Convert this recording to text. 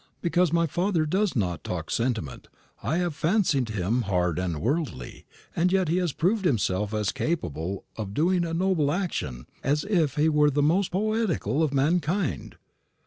Because my stepfather does not talk sentiment, I have fancied him hard and worldly; and yet he has proved himself as capable of doing a noble action as if he were the most poetical of mankind.